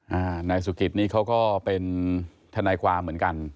นายสุกิตนี้เขาก็เป็นทนายความเหมือนกัน